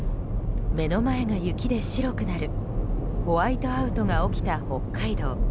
目の前が雪で白くなるホワイトアウトが起きた北海道。